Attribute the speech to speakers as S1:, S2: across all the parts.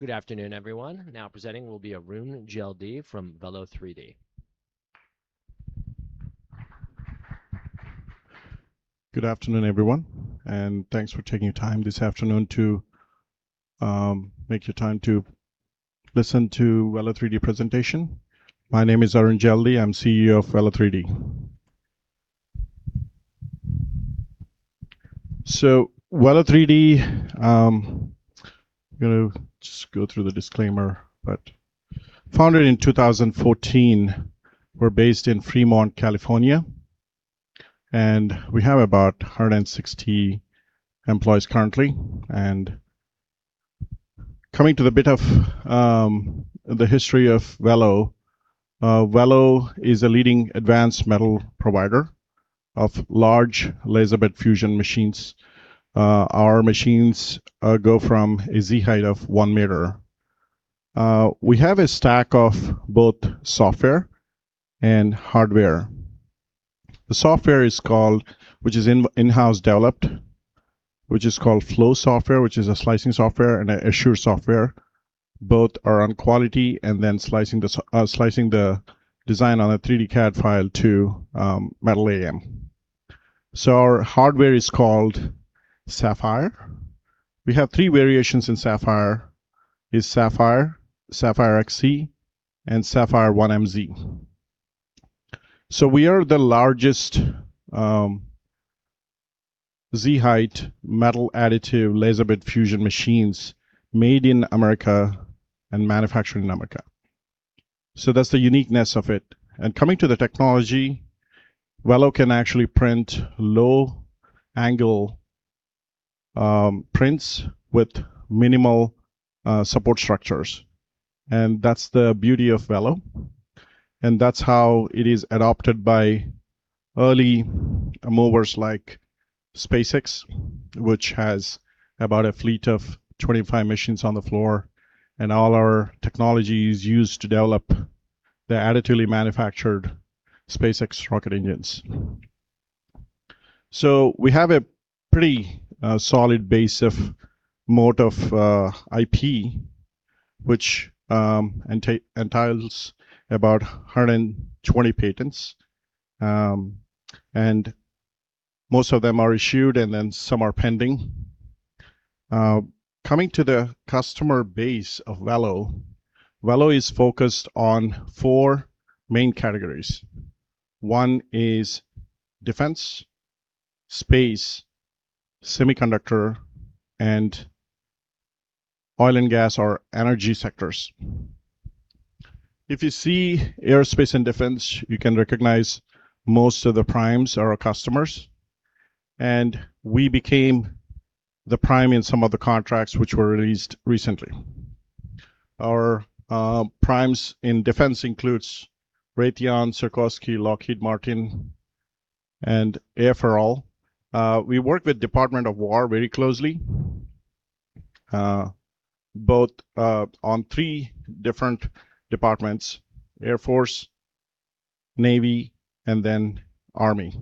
S1: Good afternoon, everyone. Now presenting will be Arun Jeldi from Velo3D.
S2: Good afternoon, everyone, thanks for taking your time this afternoon to make your time to listen to Velo3D presentation. My name is Arun Jeldi. I'm CEO of Velo3D. Velo3D, I'm going to just go through the disclaimer, founded in 2014. We're based in Fremont, California, and we have about 160 employees currently. Coming to the bit of the history of Velo3D is a leading advanced metal provider of large laser powder bed fusion machines. Our machines go from a Z height of 1 m. We have a stack of both software and hardware. The software, which is in-house developed, which is called Flow software, which is a slicing software and an Assure software. Both are on quality slicing the design on a 3D CAD file to metal AM. Our hardware is called Sapphire. We have three variations in Sapphire, is Sapphire XC, and Sapphire 1MZ. We are the largest Z height metal additive laser powder bed fusion machines made in America and manufactured in America. That's the uniqueness of it. Coming to the technology, Velo3D can actually print low angle prints with minimal support structures, and that's the beauty of Velo3D, and that's how it is adopted by early movers like SpaceX, which has about a fleet of 25 machines on the floor. All our technology is used to develop the additively manufactured SpaceX rocket engines. We have a pretty solid base of moat of IP, which entitles about 120 patents, most of them are issued, some are pending. Coming to the customer base of Velo3D is focused on four main categories. One is defense, space, semiconductor, and oil and gas, or energy sectors. If you see aerospace and defense, you can recognize most of the primes are our customers, and we became the prime in some of the contracts which were released recently. Our primes in defense includes Raytheon, Sikorsky, Lockheed Martin, and Air Force. We work with Department of Defense very closely, both on three different departments, Air Force, Navy, and then Army.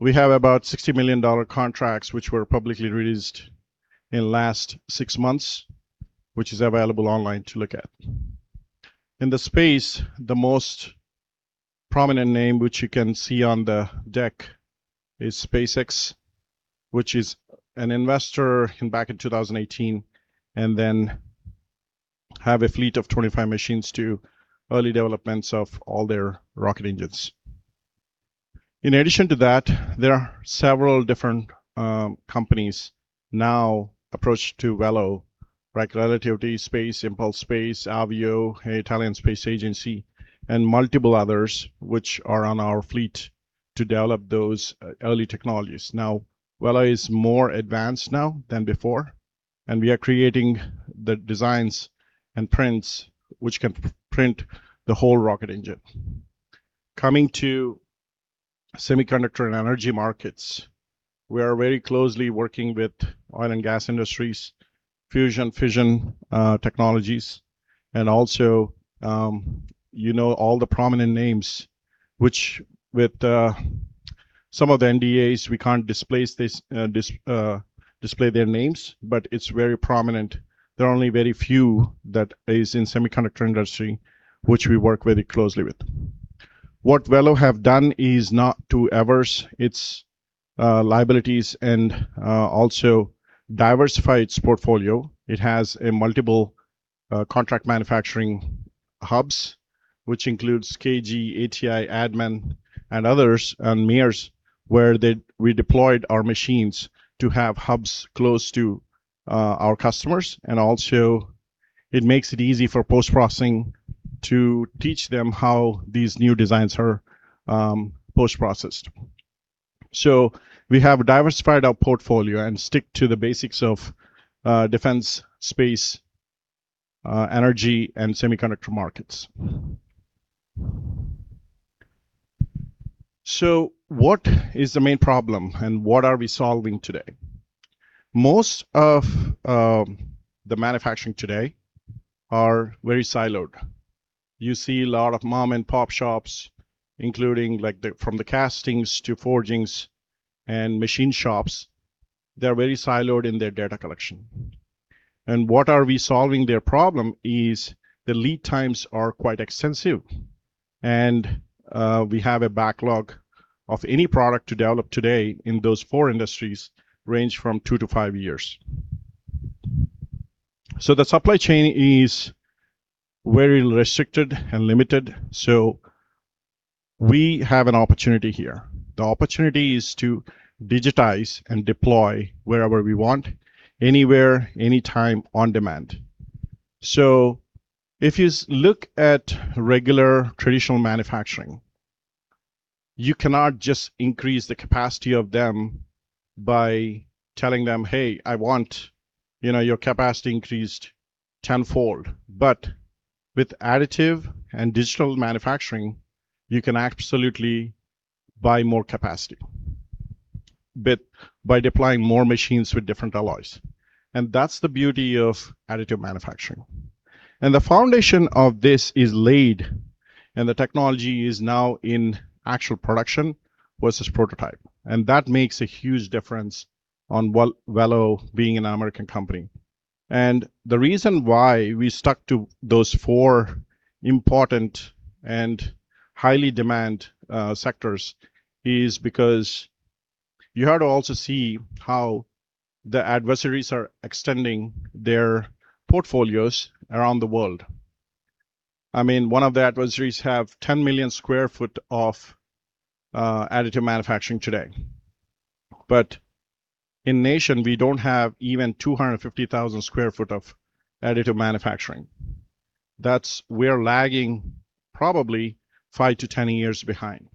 S2: We have about $60 million contracts, which were publicly released in last six months, which is available online to look at. In the space, the most prominent name which you can see on the deck is SpaceX, which is an investor in back in 2018, have a fleet of 25 machines to early developments of all their rocket engines. In addition to that, there are several different companies now approach to Velo3D, like Relativity Space, Impulse Space, Avio, Italian Space Agency, and multiple others, which are on our fleet to develop those early technologies. Velo3D is more advanced now than before, and we are creating the designs and prints which can print the whole rocket engine. Coming to semiconductor and energy markets, we are very closely working with oil and gas industries, fusion, fission technologies, and also, you know all the prominent names, which with some of the NDAs, we can't display their names, but it's very prominent. There are only very few that is in semiconductor industry, which we work very closely with. What Velo3D have done is not to averse its liabilities and also diversify its portfolio. It has multiple contract manufacturing hubs, which includes KG, ATI, ADDMAN, and others, and Mears, where we deployed our machines to have hubs close to our customers. Also it makes it easy for post-processing to teach them how these new designs are post-processed. We have diversified our portfolio and stick to the basics of defense, space, energy, and semiconductor markets. What is the main problem, and what are we solving today? Most of the manufacturing today are very siloed. You see a lot of mom-and-pop shops, including from the castings to forgings and machine shops, they're very siloed in their data collection. What are we solving their problem is the lead times are quite extensive, and we have a backlog of any product to develop today in those four industries range from two to five years. The supply chain is very restricted and limited. We have an opportunity here. The opportunity is to digitize and deploy wherever we want, anywhere, any time, on demand. If you look at regular traditional manufacturing, you cannot just increase the capacity of them by telling them, "Hey, I want your capacity increased tenfold." With additive and digital manufacturing, you can absolutely buy more capacity by deploying more machines with different alloys. That's the beauty of additive manufacturing. The foundation of this is laid, and the technology is now in actual production versus prototype. That makes a huge difference on Velo3D being an American company. The reason why we stuck to those four important and highly demand sectors is because you have to also see how the adversaries are extending their portfolios around the world. One of the adversaries have 10 million square foot of additive manufacturing today. In nation, we don't have even 250,000 sq ft of additive manufacturing. We're lagging probably 5-10 years behind.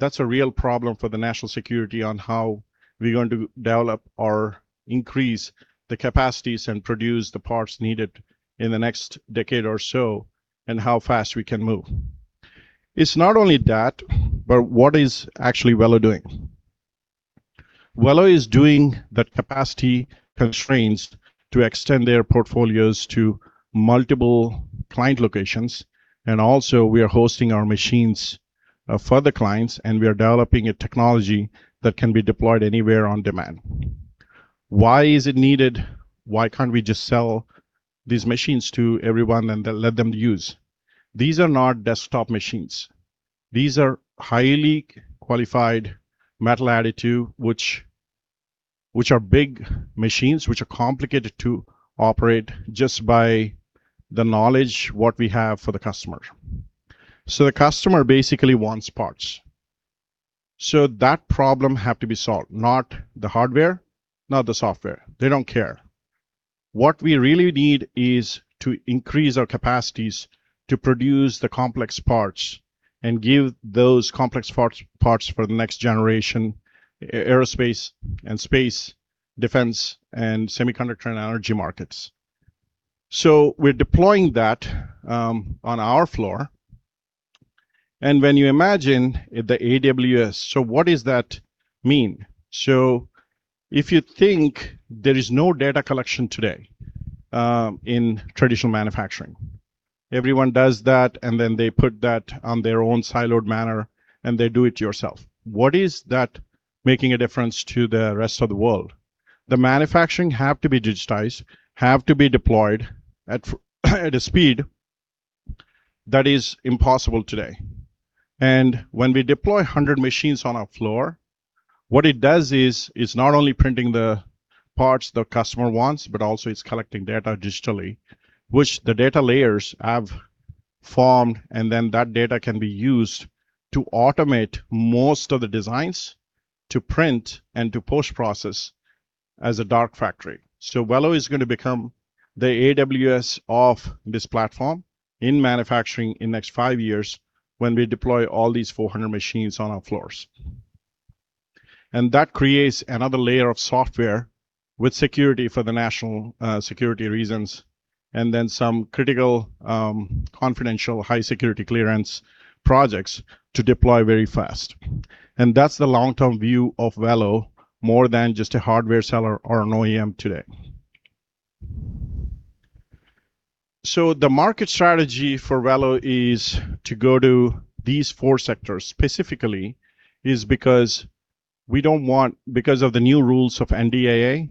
S2: That's a real problem for the national security on how we're going to develop or increase the capacities and produce the parts needed in the next decade or so, and how fast we can move. It's not only that, but what is actually Velo3D doing? Velo3D is doing the capacity constraints to extend their portfolios to multiple client locations. Also we are hosting our machines for the clients, and we are developing a technology that can be deployed anywhere on demand. Why is it needed? Why can't we just sell these machines to everyone and let them use? These are not desktop machines. These are highly qualified metal additive, which are big machines, which are complicated to operate just by the knowledge, what we have for the customer. The customer basically wants parts. That problem have to be solved, not the hardware, not the software. They don't care. What we really need is to increase our capacities to produce the complex parts and give those complex parts for the next generation aerospace and space, defense, and semiconductor, and energy markets. We're deploying that on our floor. When you imagine the AWS, what does that mean? If you think there is no data collection today in traditional manufacturing. Everyone does that, then they put that on their own siloed manner, they do it yourself. What is that making a difference to the rest of the world? Manufacturing has to be digitized, has to be deployed at a speed that is impossible today. When we deploy 100 machines on our floor, what it does is it's not only printing the parts the customer wants, but also it's collecting data digitally, which the data layers have formed, and then that data can be used to automate most of the designs to print and to post-process as a dark factory. Velo is going to become the AWS of this platform in manufacturing in next five years when we deploy all these 400 machines on our floors. That creates another layer of software with security for the national security reasons, and then some critical, confidential, high security clearance projects to deploy very fast. That's the long-term view of Velo, more than just a hardware seller or an OEM today. The market strategy for Velo is to go to these four sectors specifically is because of the new rules of NDAA,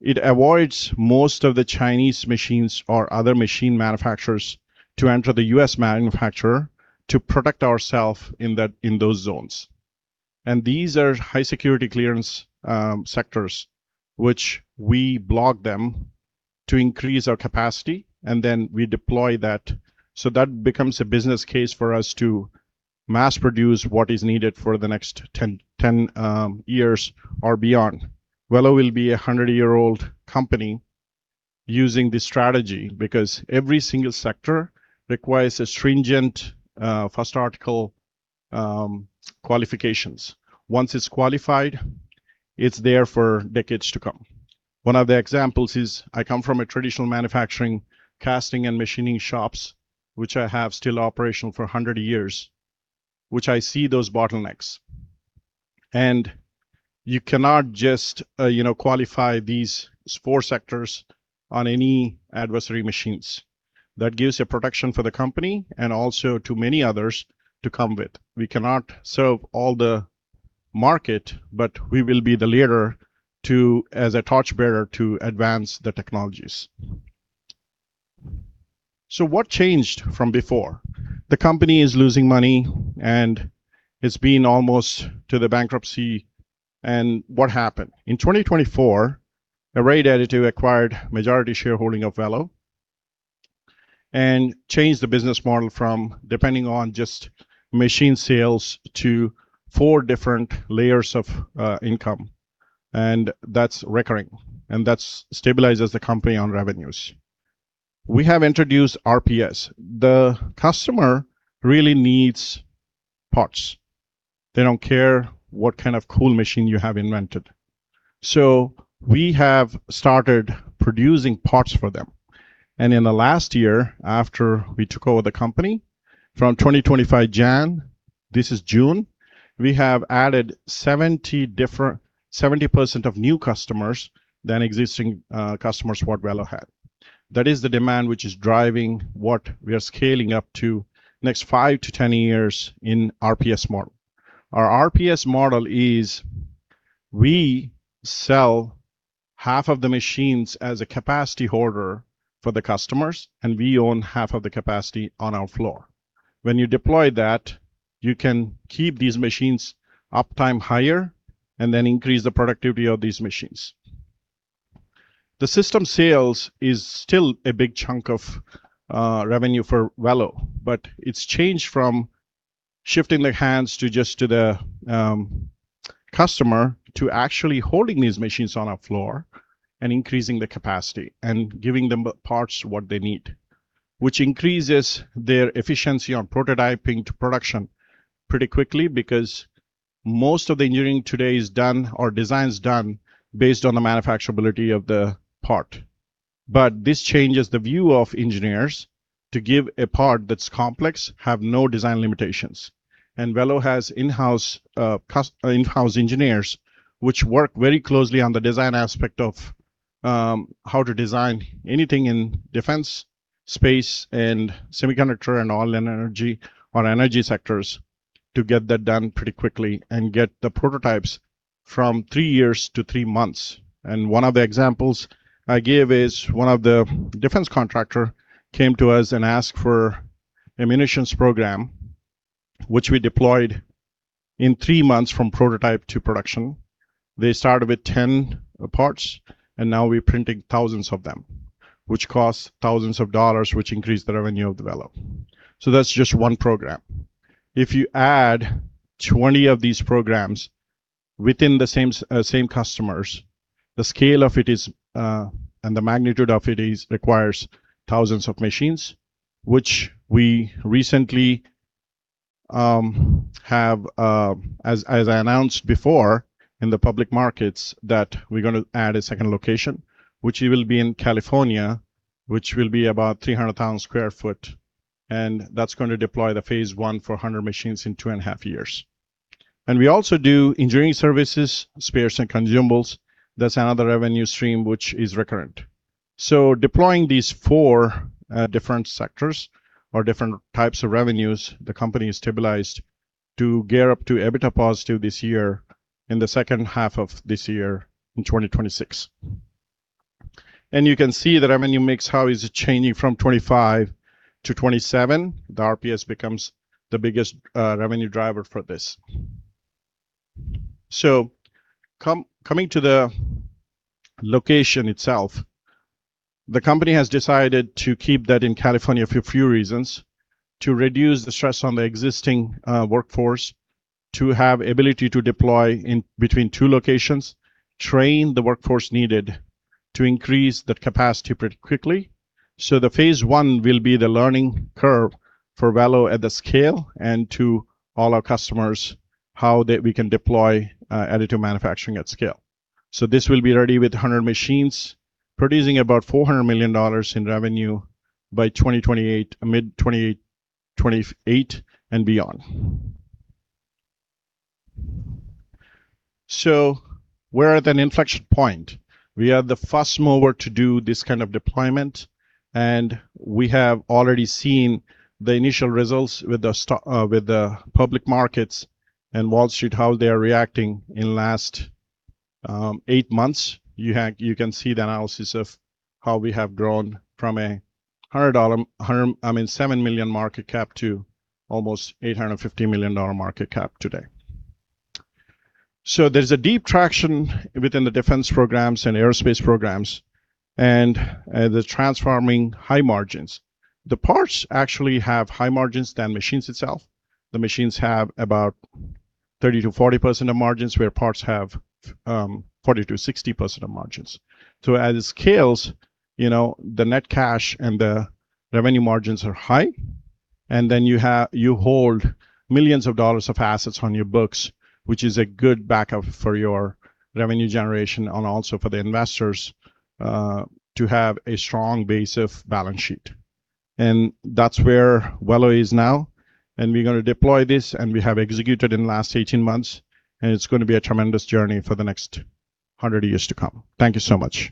S2: it avoids most of the Chinese machines or other machine manufacturers to enter the U.S. manufacturer to protect ourself in those zones. These are high security clearance sectors, which we block them to increase our capacity, and then we deploy that. That becomes a business case for us to mass produce what is needed for the next 10 years or beyond. Velo will be a 100-year-old company using this strategy because every single sector requires a stringent first article qualifications. Once it's qualified, it's there for decades to come. One of the examples is I come from a traditional manufacturing casting and machining shops, which I have still operational for 100 years, which I see those bottlenecks. You cannot just qualify these four sectors on any adversary machines. That gives a protection for the company and also to many others to come with. We cannot serve all the market, but we will be the leader as a torchbearer to advance the technologies. What changed from before? The company is losing money, and it's been almost to the bankruptcy. What happened? In 2024, Arrayed Additive acquired majority shareholding of Velo and changed the business model from depending on just machine sales to four different layers of income. That's recurring, and that stabilizes the company on revenues. We have introduced RPS. The customer really needs parts. They don't care what kind of cool machine you have invented. We have started producing parts for them. In the last year, after we took over the company from 2025 January, this is June, we have added 70% of new customers than existing customers what Velo had. That is the demand which is driving what we are scaling up to next five to 10 years in RPS model. Our RPS model is we sell half of the machines as a capacity hoarder for the customers, and we own half of the capacity on our floor. When you deploy that, you can keep these machines' uptime higher and then increase the productivity of these machines. The system sales is still a big chunk of revenue for Velo, but it's changed from shifting the hands to just to the customer to actually holding these machines on our floor and increasing the capacity and giving them parts what they need, which increases their efficiency on prototyping to production pretty quickly because most of the engineering today is done or design is done based on the manufacturability of the part. This changes the view of engineers to give a part that's complex, have no design limitations. Velo has in-house engineers which work very closely on the design aspect of how to design anything in defense, space, and semiconductor and oil and energy or energy sectors to get that done pretty quickly and get the prototypes from three years to three months. One of the examples I give is one of the defense contractor came to us and asked for ammunitions program, which we deployed in three months from prototype to production. They started with 10 parts, and now we're printing thousands of them, which costs thousands of dollars, which increase the revenue of the Velo. That's just one program. If you add 20 of these programs within the same customers, the scale of it is and the magnitude of it is requires thousands of machines, which we recently have, as I announced before in the public markets, that we're going to add a second location, which it will be in California, which will be about 300,000 sq ft, and that's going to deploy the Phase 1 for 100 machines in two and a half years. We also do engineering services, spares, and consumables. That's another revenue stream which is recurrent. Deploying these four different sectors or different types of revenues, the company is stabilized to gear up to EBITDA positive this year in the second half of this year in 2026. You can see the revenue mix, how is it changing from 2025-2027. The RPS becomes the biggest revenue driver for this. Coming to the location itself, the company has decided to keep that in California for a few reasons, to reduce the stress on the existing workforce, to have ability to deploy in between two locations, train the workforce needed to increase that capacity pretty quickly. The Phase 1 will be the learning curve for Velo at the scale and to all our customers, how we can deploy additive manufacturing at scale. This will be ready with 100 machines producing about $400 million in revenue by mid-2028 and beyond. We're at an inflection point. We are the first mover to do this kind of deployment, and we have already seen the initial results with the public markets and Wall Street, how they are reacting in last eight months. You can see the analysis of how we have grown from a $7 million market cap to almost $850 million market cap today. There's a deep traction within the defense programs and aerospace programs and the transforming high margins. The parts actually have high margins than machines itself. The machines have about 30%-40% of margins, where parts have 40%-60% of margins. As it scales, the net cash and the revenue margins are high, and then you hold millions of dollars of assets on your books, which is a good backup for your revenue generation and also for the investors to have a strong base of balance sheet. That's where Velo is now, and we're going to deploy this, and we have executed in last 18 months, and it's going to be a tremendous journey for the next 100 years to come. Thank you so much.